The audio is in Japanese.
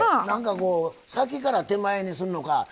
何かこう先から手前にするのか